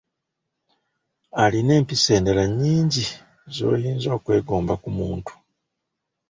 Alina empisa endala nnyingi z'oyinza okwegomba ku muntu.